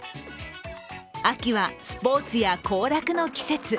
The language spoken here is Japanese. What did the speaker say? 秋はスポーツや行楽の季節。